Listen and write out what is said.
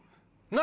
何？